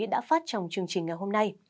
đã phát trong chương trình ngày hôm nay